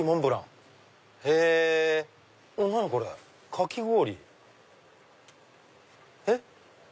かき氷？えっ？